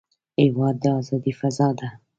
هېواد د ازادۍ فضا ده.